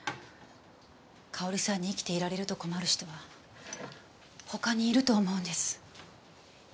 佳保里さんに生きていられると困る人は他にいると思うんです。